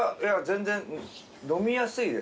全然飲みやすいですけど。